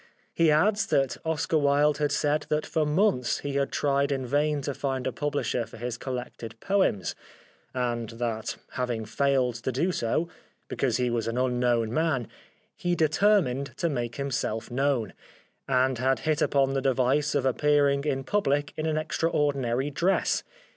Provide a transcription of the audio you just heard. He adds that Oscar Wilde had said that for months he had tried in vain to find a publisher for his collected poems, and that having failed to do so, because he was an unknown man, he determined to make him self known, and had hit upon the device of ap pearing in public in an extraordinary dress.